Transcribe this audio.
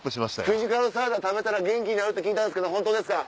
フィジカルサラダ食べたら元気になるって聞いたんですけどホントですか？